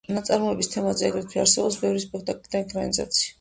ნაწარმოების თემაზე აგრეთვე არსებობს ბევრი სპექტაკლი და ეკრანიზაცია.